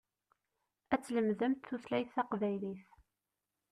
Ad tlemdemt tutlayt taqbaylit.